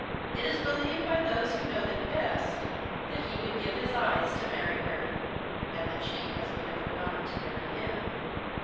It is believed by those who know them best that he would give his eyes to marry her, and that she has made up her mind to marry him.